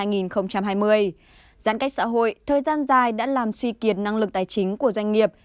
giãn cách xã hội thời gian dài đã làm suy kiệt năng lực tài chính của doanh nghiệp